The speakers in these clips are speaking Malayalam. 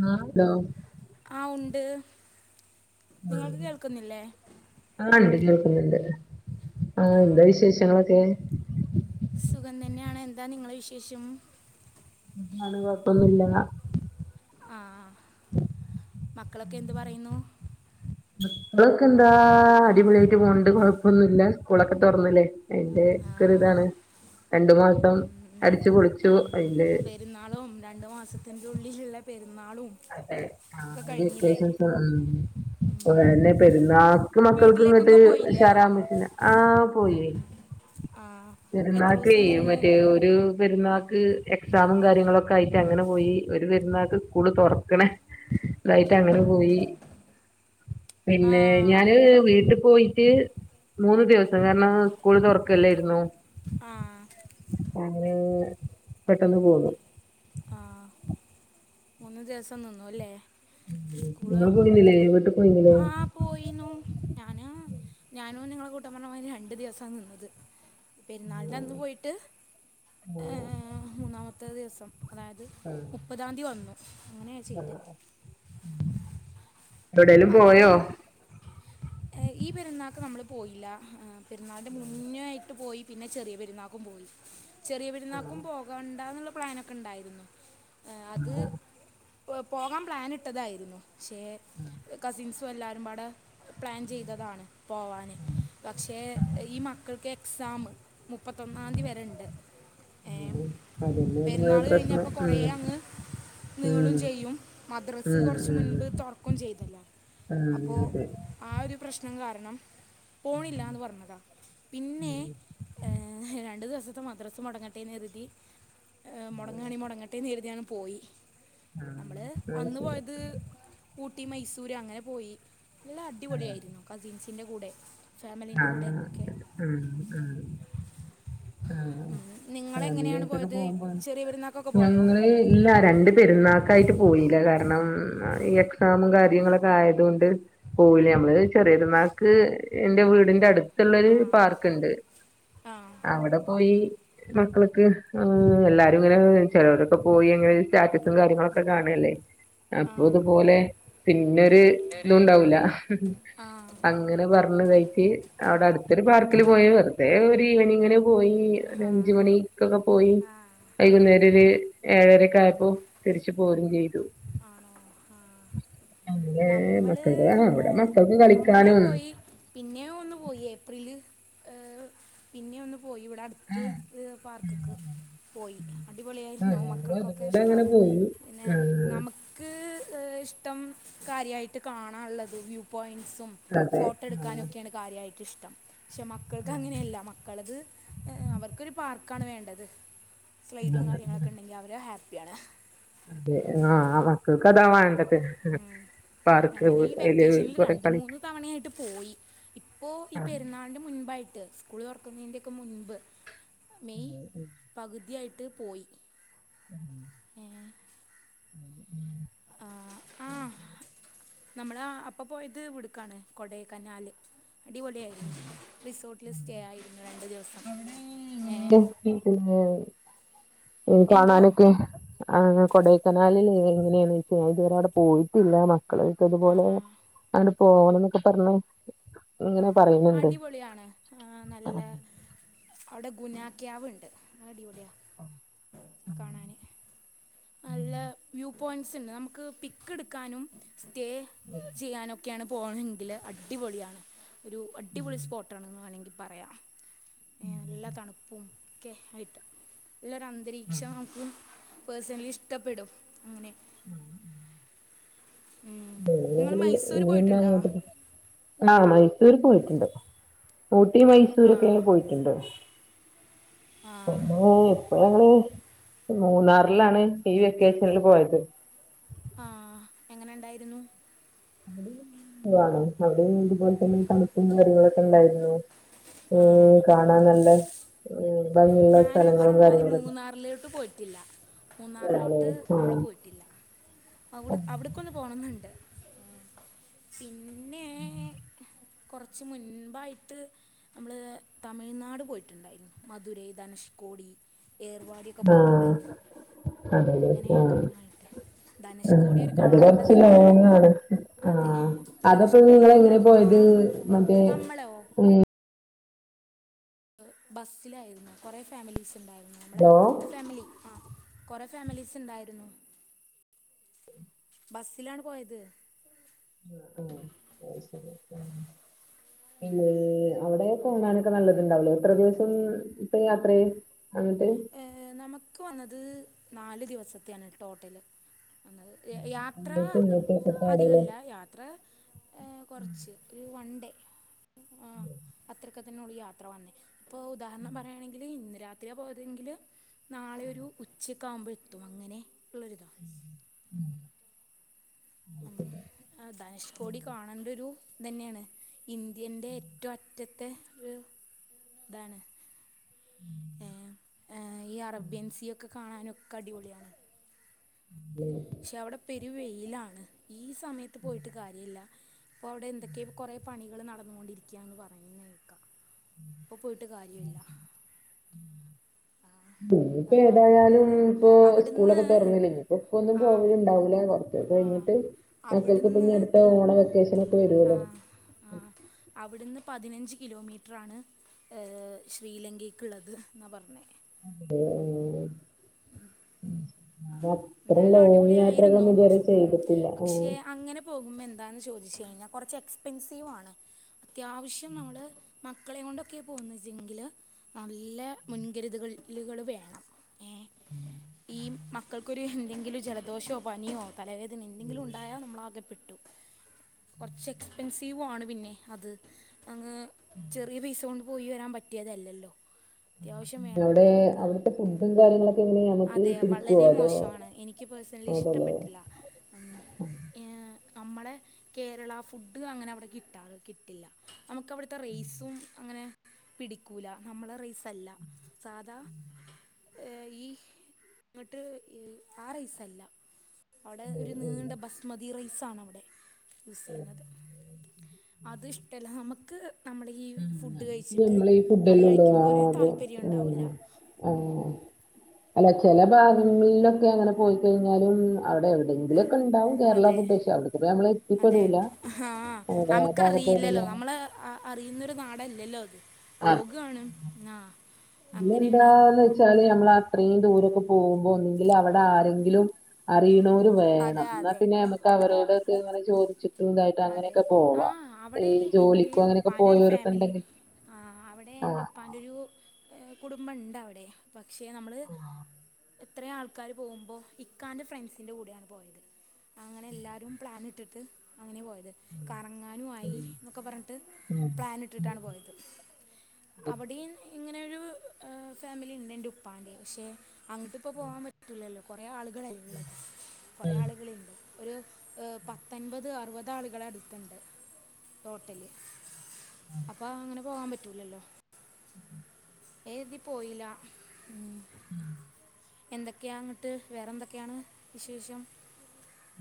ആഹ് ലോ ആഹ് ഉണ്ട് നിങ്ങൾക്ക് ഉം കേൾക്കുന്നില്ലേ ആ ഇണ്ടല്ലോ [unintelligible] ആ ആഹ് എന്താ വിശേഷങ്ങളൊക്കെ സുഖം തന്നെയാണ് എന്താ നിങ്ങളെ വിശേഷം ആണ് കുഴപ്പൊന്നുല്ല ആ മക്കളൊക്കെ എന്ത് പറയുന്നു മക്കളൊക്കെ എന്താ അടിപൊളിയായിട്ട് പോണ്ട് കൊഴപ്പൊന്നുംല്ല സ്കൂളൊക്കെ തൊറന്നില്ലേ അതിന്റെ ആ ക്ക്‌രു ഇതാണ് രണ്ടു മാസം അടിച്ചു പൊളിച്ചു അയില് പെരുന്നാളും രണ്ടു മാസത്തിന്റെ ഉള്ളിലുള്ള പെരുന്നാളും അതെ ഒക്കെ ആഹ് കഴിഞ്ഞില്ലേ വെക്കേഷൻസും അതന്നെ പെരുന്നാക്ക് മക്കൾക്ക് ഇങ്ങോട്ട് വീട്ടിലേക്കൊക്കെ പോയില്ലേ ഉഷാറാവാൻ പറ്റില്ല ആഹ് ആ എത്ര പെരുന്നാക്കേ ദിവസം നിന്നു മറ്റേ ഒരു പെരുന്നാ ക്ക്‌ എക്സാമും കാര്യങ്ങളുഒക്കെ ആയിട്ട് അങ്ങനെ പോയി ഒരു പെരുന്നാക്ക്‌ സ്കൂള് തൊറ ക്ക്ണ് ഇതായിട്ട് അങ്ങനെ പോയി ആ പിന്നെ ഞാന് വീട്ടി പോയിട്ട് മൂന്ന് ദിവസം കാരണം സ്കൂള് തുറക്കല്ലാരുന്നു ആ അങ്ങനെ പെട്ടെന്ന് പോന്നു ആ മൂന്ന് ദിവസം നിന്നുല്ലേ സ്കൂള് നിങ്ങൾ പോയിന്നില്ലേ വീട്ടിൽ പോയിന്നില്ലേ ആ പോയിന്നു ഞാന് ഞാനും നിങ്ങളെ കൂട്ടം പറഞ്ഞമാതിരി രണ്ടു ദിവസ നിന്നത് പെരുന്നാളിന്റെ അന്ന് പോയിട്ട് ഏ മൂന്നാമത്തെ ദിവസം അതായത് മുപ്പതാംതീ വന്നു അങ്ങനെയ ചെയ്തെ എവിടേലും പോയോ അധികം ഈ പെരുന്നാക്ക്‌ നമ്മള് പോയില്ല പെരുന്നാള്ന്റെ മുന്നേ ആയിട്ട് പോയി പിന്നെ ചെറിയ പെരുന്നാക്കും പോയി ചെറിയ പെരുന്നാക്കും പോകണ്ടാന്നുള്ള പ്ലാനൊക്കെ ഉണ്ടായിരുന്നു അത് പോകാൻ പ്ലാനിട്ടതായിരുന്നു പക്ഷേ കസിൻസും എല്ലാവരുംപാടെ പ്ലാൻ ചെയ്തതാണ് പോവാന് പക്ഷേ ഈ മക്കൾക്ക് എക്സാം മുപ്പത്തൊന്നാംതീ വരെണ്ട് ഏ [unintelligible] പ്രശ്നം ആ നിങ്ങളും ചെയ്യും മദ്രസ് കുറച്ച് ഉം മുൻപ് തുറക്കും ചെയ് ഉം അപ്പോ ഉം അതെ ആ ഒരു പ്രശ്നം കാ കാരണം പോണില്ലാന്ന് പറഞ്ഞതാ പിന്നെ രണ്ട് ദിവസ ത്ത് മദ്രസ് മുടങ്ങട്ടെ എന്നു കരുതി മുടങ്ങാണി മുടങ്ങട്ടേന്ന് കരുതിയാണ് പോയി ആ നമ്മള് അത് അന്ന് ശരി. പോയത് ഉ ഊട്ടി മൈസൂര് അങ്ങനെ പോയി നല്ല ആ അടിപൊളിയാരുന്നു കസിൻസിന്റെ കൂടെ ഫാമിലീൻ്റെ ആ കൂടെ ഒക്കെ ഉം ഉം ആ ഉം. നിങ്ങളെങ്ങനെയാണ് പോയത് [unintelligible] ചെറിയ പെരുന്നാക്കൊക്കെ പോയോ ഞങ്ങള് ഇല്ല രണ്ട് പെരുന്നാക്കായിട്ട് പോയില കാരണം എക്സാമും കാര്യങ്ങളൊക്കെ ആയത് കൊണ്ട് പോയില നമ്മള് ചെറിയപെരു ന്നാക്ക്‌ എന്റെ വീടിന്റെ അടുത്തുള്ളൊരു ആ പാർക്ക് ഉണ്ട് ആ അവിടെ പോയി മക്കൾക്ക് എല്ലാരും ഇങ്ങനെ ചിലരൊക്കെ പോയി അങ്ങനെ സ്റ്റാറ്റ് [unintelligible] കാര്യങ്ങളൊക്കെ കാണ്അല്ലേ ആ അപ്പൊ ഇതുപോലെ പിന്നൊരു പിന്നെ ഇതും ഒരു ഉണ്ടാവൂല ആ അങ്ങനെ പറ സുഖായിട്ട് അവിടെ അടുത്തൊരു പാർക്കിൽ പോയി വെറുതെ ഒരു ഈവനിങ്ങ്ന് പോയി ഒരു അഞ്ച് മണിക്കൊക്കെ പോയി വൈകുന്നേര ഒരു ഏഴരക്ക ആയപ്പോ തിരിച്ചു പോരും ചെയ്തു ആണോ ആഹ അങ്ങ മക്കൾക്ക് കാണ അവിടെ മക്കൾക്ക് അങ്ങനെ കളിക്കാനും പോയി പിന്നെ ഒന്ന് പോയി ഏപ്രില് പിന്നെ ഒന്ന് പോയി ഇവിടെ അടുത്ത് ആഹ് പാർക്കക്ക് പോയി അടിപൊളിയ ആായിുന്ന ഞങ്ങളും മക്കൾക്കൊക്കെ അതുപോലെ അങ്ങനെ ഇഷ്ടാണ് പോയി പിന്നെ ആഹ് നമുക്ക് ഇഷ ഇഷ്ടം കാര്യമായിട്ട് കാണാനറുള്ളത് വ്യൂ പോയിന്റ്സും അതെ ഫോട്ടോ ആ എടുക്കാനൊക്കെയാണ് കാര്യമായിട്ട് ഇഷ്ടം പക്ഷെ മക്കൾക്ക് അങ്ങനെയല്ല മക്കളത് അവര്ക് ഒരു. ക്കാണ് വേണ്ടത് ആ സ്ലൈഡും കാര്യങ്ങളൊക്കെ ഉണ്ടെങ്കിൽ അവരെ ഹാപ്പിയാണ് അതെ ആഹ മക്കൾക്കാത്ത വേണ്ടത് ഉം. പാർക്ക് അങ്ങനെ ഈ അയില് വെക്കേഷനിൽ കൊറെ രണ്ടു കളിക്ക മൂന്ന് തവണ ആായിട്ട് പോയി ഇപ്പോൊ ഈ ആ പെരുന്നാളിന്റെ മുൻപായിട്ട് ത്ത് സ്കൂൾറക്കുന്നതി്റെൊക്കെ മുൻപ് മെയ്‌ അതെ. പകുതിയായിട്ട് ട്ട് പോയി ഉം ഏ, ഉ അ ശ നമ്മള് അപ്പൊ പോയത് ഇവടക്കാൻ കോടയ്ക്കനാൽ ഉം, അടിപൊളിയായിരുന്നു റിസോർട്ടില് സ്റ്റേ ആയിരുന്നു രണ്ടു ദിവസം ഏ ക്ക എന്തോ കാണാനൊക്കെ ആ കൊടൈക്കനാലില് എങ്ങനെയാണ് ഇതുവരെ അവിടെ പോയിട്ടില്ല ആ മക്കൾക്കതുപോലെ ആ പോണം എന്നൊക്കെ പറഞ്ഞ ആ അടിപൊളിയാണ് ആ നല്ല അവിടെ ഗുനാക്യാവ് ഉണ്ട് ആ അടിപൊളിയ കാണ നല്ല പ്രു പോയിൻറ്സ് ഉണ്ട് നമുക്ക് പിക്ക് എടുക്കാനും സ്റ്റേ ചെയ്യാനൊക്കെ ഒക്കെയാണ് പോകണെങ്കിൽ അടിപൊളിയാണ് ഒരു അടിപൊളി സ്പോട്ടാണെന്ന് വേണമെങ്കിൽ പറയാം നല്ല തണുപ്പും ക്കെ ആയിട്ട് എല്ലര അന്തരീക്ഷം നമുക്ക പേഴ്സണലി ഇഷ്ടപ്പെടും അങ്ങനെ ആഹ ഉ നിങ്ങൾ മൈസൂർ ഇനി എന്താ പോയിട്ടുണ്ടോ അങ്ങോട്ട് ആഹ മൈസൂര് പോയിട്ടുണ്ട് ഊട്ടി ആ മൈസൂരൊക്കെനെ പോയിട്ടുണ്ടോന്ന ആ മ്മള് മൂന്നാറിലാണ് ഈ വെക്കേഷനിൽ പോയത് ആഹ എങ്ങനെ ഇണ്ടായിരുന്നു അവിടൊണ് അവിടെ ഇതുപോലെ തന്നെ തമുപ്പുന്ന കാര്ങ്ങളൊക്കെ ഉണ്ടായിരുന്നു ആ ഉം കാണൻല്ലേ ഞാനും പറഞ്ഞ മാതിരി മൂന്നാറിലോട്ട് പോയിറ്റില്ല ആണല്ലേ മൂന്നാറിലോട്ട് നമ്മള് ആഹ് പോയിട്ടില്ല അ അവിടക്കൊന്ന് പോണംന്നുണ്ട് ഉ പിന്നെ കുറച്ച് മുൻപായിട്ട് നമ്മൾ തമിഴ്നാട് പോയിട്ടുണ്ടായിരുന്നു മധുരൈ ധനഷ്ക്കോടി ഏർവാടിയൊക്കെ പോയിട്ടുണ്ടായിരുന്നു അതെല്ലെ അങ്ങനെ ആഹ കറങ്ങാനായിട്ട് ധനുഷ്കോടി ഒരു അത് കാണേണ്ടത് കൊറച്ച് തന്നെയാണ് ലോങ്ങ്‌ അ- ആ അതെ അതപ്പോ ധനുഷ്കോടി നിങ്ങ എന്ന് എങ്ങനെ പറഞ്ഞത് കാ പോയത് മറ്റേ നമ്മളോ ഏ ബസ്സിലായിരുന്നു കുറെ ഫാമിലീസ് ഉണ്ടായിരുന്നു നമ്മുടെ ഹലോ ഫാമിലി ആ കൊറെ ഫാമിലീസ് ഉണ്ടായിരുന്നു ബസ്സിലാണ്ട് പോയത് ആ ആ ശരി പിന്നെ അവിടെ പോന്നാനൊക്കെ നല്ലതുണ്ടാവല്ലോ എത്ര ദിവസം ഇപ്പ യാത്ര നമുക്ക് വന്നത് നാല് ദിവസത്ത ആാണ് ടോട്ടല് വന്നത് യാത്ര ആങ്ങട്ട്ങ്ങിട്ട് [unintelligible] അധികല്ല യാത്ര കുറച്ച് ഒരു വൺ ഡേ ആ അത്രക്കെ തന്നെയൊള്ളൂ യാത്ര വന്നേ ഇപ്പൊ ഉദാഹരണം പറയുകയാണെങ്കിൽ ഇന്ന് രാത്രിയ പോയ അെങ്കിൽ നാളെയ ഒരു ഉച്ചയൊക്കെ ആകുമ്പോഴ എത്തും അങ്ങനെ ഉള്ളരിതാ മം ധനുഷ് കോടി കാണേണ്ടരു തന്നെയാണ് ഇന്ത്യന്റെ ഏറ്റവും അറ്റത്തെ താണ് ഏഹ് ഏഹ് ഈ അറബ്യൻ സീയൊക്കെ കാണാനൊക്കെ അടിപൊളിയാണ് പക്ഷെ അവിടെ പെരുവെയിലാണ് ഈ സമയത്ത് പോയിട്ട് കാര്യല്ല ഇപ്പൊ അവിടെ എന്തൊക്കെയൊ കുറെ പണികള് നടന്നുകൊണ്ടിരിക്യന്ന് പറയുന്നേ കേക്കാം അപ്പൊ പോയിട്ട് കാര്യല്ല ആഹ് ഇയിപ്പോ ഏതായാലും ഇപ്പൊ അവിടുന്ന് സ്കൂളൊക്കെ തുറന്നില്ല ഇനിയിപ്പോ ഇപ്പൊന്നും ആ പോവല ഉണ്ടാവൂല കൊറച്ച ആ കഴിഞ്ഞിട്ട് മക്കൾക്ക് അവിടുന്ന് പിന്നെ അടുത്ത ഓണ വെക്കേഷന ഒക്കെ ആ വരുവല്ലോ ആ അവിടുന്ന് പതിനഞ്ച് കിലോമീറ്ററാണ് ശ്രീലങ്കയ്ക്കുള്ളത് എന്നാണ് പറഞ്ഞത് ഉ എന്തായാലും ലോങ് അടിപൊളിയായിരുന്നു യാത്രകളൊന്നും ഇതുവരെ മം ചെയ്തിട്ടില്ല ഉം. പക്ഷെ അങ്ങനെ പോകുമ്പോ എന്താന്ന് ചോദിച്ചു കഴിഞ്ഞാൽ കുറച്ച് എക്സ്പെൻസീവാണ് അത്യാവശ്യം നമ്മൾ മക്കളെ കൊണ്ടൊക്കെ പോ വച്ചെങ്കില് നല്ല മുൻകരുതുകുകള് വേണം ഏ ഈ മക്കൾക്കൊരു എന്തെങ്കിലും ജലദോഷമോ പനിയോ തലവേദന എന്തെങ്കിലും ഉണ്ടായാോ നമ്മള ആകെപ്പെട്ടു ട്ടു കൊറച്ച് എക്സ്പെൻസീവ ആണ് പിന്നെ അത് അങ്ങ് ചെറിയ പൈസ കൊണ്ട് പോയി വരാൻ പറ്റ കിട്ടിയതല്ലല്ലോ അവിടെ അവിടുത്തെ ഫുഡും കാര്യങ്ങളൊക്കെ എങ്ങനെ നമ്മക്ക് അതെ വളരെ മോശമാണ് എനിക്ക് പേഴ്സണലി ഇഷ്ടപ്പെട്ടില്ല നമ്മളെ കേരള ഫുഡ് അങ്ങനെ അവിടെ കിട്ടാറ് കിട്ടില്ല നമുക്ക അവിടുത്തെ റേസും അങ്ങനെ പിടിക്കൂല നമ്മളെ റൈസല്ല സാധാ ഏ ഈ അങ്ങോട്ട് ആ റൈസല്ല അവിടെ ഒരു ഉം നീണ്ട ബസ്മതി റൈസ ആണവിടെ യൂസ് ചെയ്യുന്നത് അത് ഇഷ്ടല്ല നമുക്ക് നമ്മൾ ഈ ഉം ഫുഡ് കഴിച്ചിട്ട് നമ്മള് ഈ അത് ഫുഡല്ലേ കഴിക്കുമ്പോൾ ഒരു താല്പര്യം ഉണ്ടാവില്ല ഉം, ഓഹ് അല്ല ചില ഭാഗങ്ങളിലൊക്കെ അങ്ങനെ പോയിക്കഴിഞ്ഞാലും അവിടെ എവിടെയെങ്കിലുംൊക്കെ ഉണ്ടാവും കേരള അതെ പ്രദേശം അവിടത്തെെ നമ്മൾ എത്തിപ്പെെടൂലടെ ഭാഗ ഇല്ലല്ലോ നമ്മള് അറിയുന്നൊരു നാടല്ലല്ലോ അത് പോകാണ് ആ ഇല്ല അങ്ങനെയാണ് എന്താന്ന് വെച്ചാല് നമ്മള അത്രയും ദൂരമൊക്കെ പോകുമ്പോ ഒന്നെങ്കിൽ അവിടെ ആരെങ്കിലും അറിയണോൽ അതെ വേണം ന്നാൽ അതെ പിന്നെ നമക്ക് എന്നാ പിന്നെ നമുക്ക് അവരോട്ക്കെ ചോദിച്ചിട്ടു അതെ അങ്ങനെയൊക്കെ ആ പോവാ അവിടെ ഈ എൻ്റെ ജോലിക്കോ അങ്ങനെയൊക്കെ ഉപ്പാൻ്റെ ഒരു പോയവരൊക്കെ ഫാമിലി ഉണ്ടെങ്കിൽ ആ അവിടെ എന്റെപ്പന്റെൊരു കുടുംബംണ്ട് അവിടെ പക്ഷേ നമ്മള് ആഹ് എത്രയും ആൾക്കാാര് പോകുമ്പോൾ ഇക്കാന്റെ ഫ്രണ്ട്സിൻറെ കൂടെയാണ് പോയത് അങ്ങനെ എല്ലാരും പ്ലാൻ ൻ ഇട്ടിട്ട് അങ്ങനെ പോയത് കറങ്ങാനും ആയി ഉം എന്നൊക്കെ പറഞ്ഞിട്ട് ഉം പ്ലാൻ ഇട്ടിട്ടാണ് ഉം പോയത് അവാടിം ഇങ്ങനോരു ഫാമിലി ഉണ്ട് എൻ്റെ ഉപ്പാൻ്റെ പക്ഷേ അങ്ങോട്ട് ഇപ്പോൾ പോകാൻ പറ്റില്ലല്ലോ കുറേ ആളുകള് ഉള്ളത് കുറ ആളുകളന്ണ്ട് ഒരു പത്തൻപത് അറുപതാളുകളൾ അടുത്തുണ്ട് ടോട്ടലി അപ്പൊ അങ്ങനെ പോകാൻ പറ്റൂലല്ലോ എഴുതി പോയില ഉ ഉം എന്തൊക്കെയാങ്ങിട്ട് വേറെന്തെക്കെയാണ് വിശേഷം?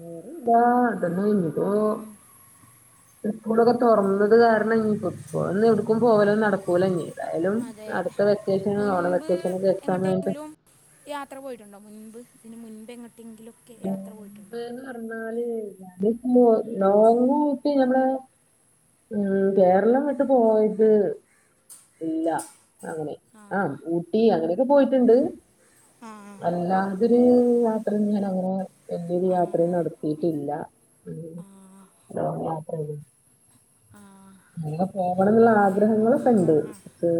വെറുന്താ ഉം, [unintelligible] സ്കൂളൊക്കെ തുറന്നത് കാരണം ഇനിയപ്പോ പോ ഒന്ന് എടുക്കും പോവലൊന്നും നടക്കൂലാലിനി. അതെ മുൻപ് വെക്കേഷനൊക്കെ എക്സാം കഴിഞ്ഞിട്ട് എങ്ങോട്ടെങ്കിലും യാത്ര പോയിട്ടുണ്ടോ? മുൻപ് ഇതിന് മുൻപ് എങ്ങോ മുൻപേന്ന് പറഞ്ഞാല് [unintelligible] ഉം കേരളം വിട്ട് പോയിട്ട് ഇല്ല. അങ്ങനെ ആഹ് ആ ഊട്ടി അങ്ങനെയെക്കെ പോയിട്ടൊണ്ട്. ആ അല്ലാതൊരു മാത്രം ഞാൻ അങ്ങനെ എന്റെരു യാത്രയും ആ നടത്തിട്ടില്ല. ആ, ഞാൻ മാത്രല്ലേ. ആഹ് അങ്ങ പോവണെന്നൊള്ള ആഗ്രഹങ്ങളൊക്കൊണ്ട്. പക്ഷേ.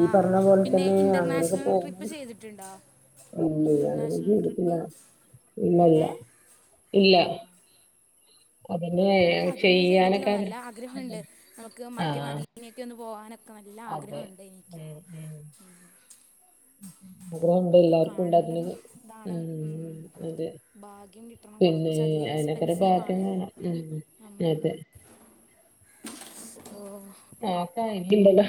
ഈ ആഹ് പറഞ്ഞ പോലെ പിന്നെ തന്നെ ഇന്റർനാഷണൽ ട്രിപ്പ് ചെയ്തിട്ടുണ്ടോ? പിന്നെ അങ്ങനെയൊന്നും ഇൻ്റർനാഷണൽ ഇരിപ്പില്ല. ട്രിപ്പ് ഇല്ലില്ല. ഏ ഇല്ല. അതിന് ഞാനും ച അതൊന്നും ചെയ്തിട്ടില്ല. ചെയ്യാനൊക്കെ ആഗ്ര നല്ല ആഗ്രഹൊണ്ട് നമ്മെക്ക് മക്കെ ആഹ് മദീനെക്കെയെന്ന് പോകാനും. ക്കെ നല്ല അതെ ആഗ്രഹൊണ്ട് എനിക്ക് ഉം. ഗ്രഹുണ്ട് എല്ലാവർക്കും ഒരു ഉണ്ടാക്കുന്നത് ഇതാണ് ഉം. അയിന്റെ. ഭാഗ്യം കിട്ടണം. കൊറച്ചധികം ഭാഗ്യം എക്സ്പെൻസീവാണ്. വേണം ഉം അം അതെ ആക്ക ഇല്ലില്ല.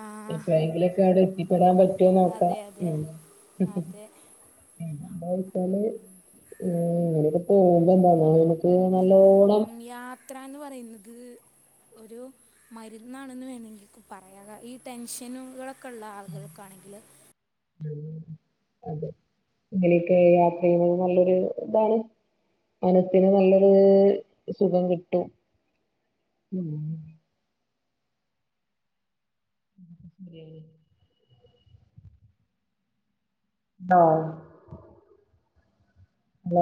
ആ ഇപ്പ എങ്കിലെക്കെ അവെടെത്തിപ്പെടാൻ പറ്റോ നോക്കാം. അതെ അതെ ഉം. അതെ എന്താ വെച്ചാല് ഉം ഇനിയിപ്പ പോമ്പോ [unintelligible] ക്ക് ഉം യാത്രന്ന് പറയെന്നത് ഒരു മരുന്നാണെന്ന് വേണെങ്കെങ്ക് പറയാ. ഈ ടെൻഷനുകളൊക്കെള്ളയാളുകൾക്കാണെ ഹലോ അതെ ഇങ്ങനെയെക്കെ യാത്ര ചെയ്യുന്നത് നല്ലൊരുയിതാണ്. മനസ്സിന് നല്ലൊരു സുഖം കിട്ടും. ഉം [unintelligible] ആഹ് ഹലോ